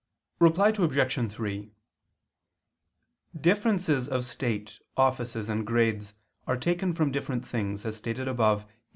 Reply Obj. 3: Differences of state, offices and grades are taken from different things, as stated above (A.